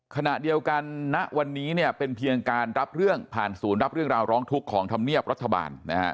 ขณะเดียวกันณวันนี้เป็นเพียงการรับเรื่องผ่านศูนย์รับเรื่องราวร้องทุกข์ของธรรมเนียบรัฐบาล